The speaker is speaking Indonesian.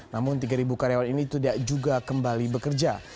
namun tiga karyawan ini tidak juga kembali bekerja